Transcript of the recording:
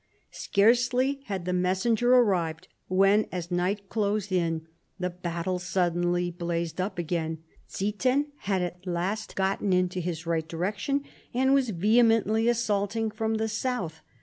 Scarcely had the messenger started, when, as night closed in, the battle suddenly blazed up again. Ziethen had at last got into his right direction, and was vehemently assaulting from the south.